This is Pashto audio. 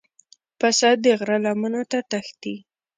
پسه د غره لمنو ته تښتي.